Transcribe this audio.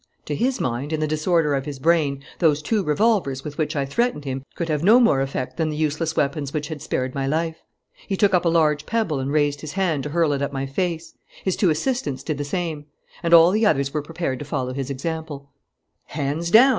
To his mind, in the disorder of his brain, those two revolvers with which I threatened him could have no more effect than the useless weapons which had spared my life. He took up a large pebble and raised his hand to hurl it at my face. His two assistants did the same. And all the others were prepared to follow his example. "'Hands down!'